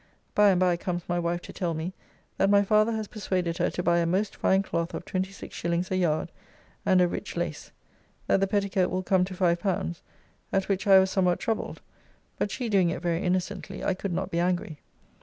By and by comes my wife to tell me that my father has persuaded her to buy a most fine cloth of 26s. a yard, and a rich lace, that the petticoat will come to L5, at which I was somewhat troubled, but she doing it very innocently, I could not be angry.